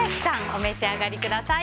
お召し上がりください。